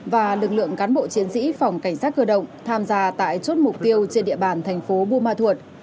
và lực lượng cán bộ chiến sĩ phòng cảnh sát cơ động tham gia tại chốt mục tiêu trên địa bàn thành phố buôn ma thuột